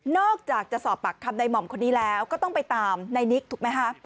อกจากจะสอบปากคำในหม่อมคนนี้แล้วก็ต้องไปตามในนิกถูกไหมคะ